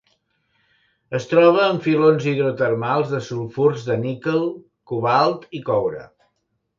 Es troba en filons hidrotermals de sulfurs de níquel, cobalt i coure.